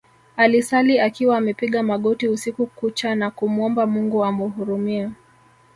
Alisali akiwa amepiga magoti usiku kucha na kumuomba Mungu amhurumie